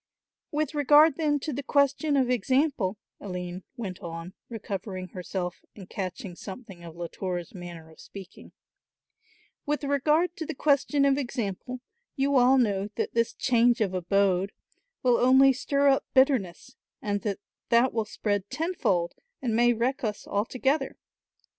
"With regard then to the question of example," Aline went on, recovering herself and catching something of Latour's manner of speaking, "with regard to the question of example, you all know that this 'change of abode' will only stir up bitterness and that that will spread tenfold and may wreck us altogether.